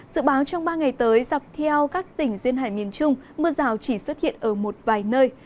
dự báo trong ba ngày tới dọc theo các tỉnh duyên hải miền trung mưa rào chỉ xuất hiện ở một vài nơi